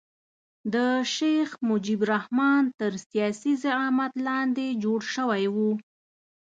د شیخ مجیب الرحمن تر سیاسي زعامت لاندې جوړ شوی وو.